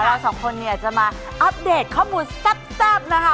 เราสองคนเนี่ยจะมาอัปเดตข้อมูลแซ่บนะคะ